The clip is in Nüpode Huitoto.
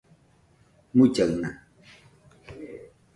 mullaɨna